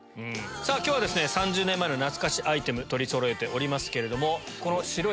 今日は３０年前の懐かしアイテム取りそろえております。